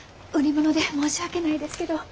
売り物で申し訳ないですけど。